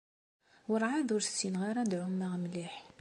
Werɛad ur ssineɣ ara ad ɛumeɣ mliḥ.